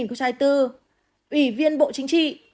ủy viên bộ chính trị